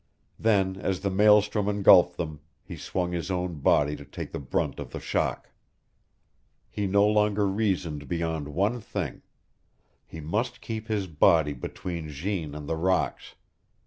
Then, as the maelstrom engulfed them, he swung his own body to take the brunt of the shock. He no longer reasoned beyond one thing. He must keep his body between Jeanne and the rocks.